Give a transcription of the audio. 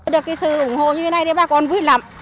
được sự ủng hộ như thế này thì bà con vui lắm